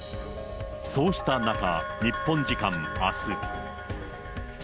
そうした中、日本時間あす。